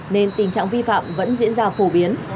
nên tình trạng vi phạm vẫn diễn ra phổ biến